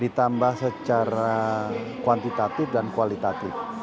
ditambah secara kuantitatif dan kualitatif